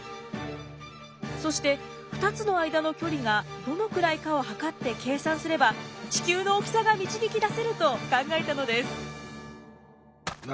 そして２つの間の距離がどのくらいかを測って計算すれば地球の大きさが導き出せると考えたのです。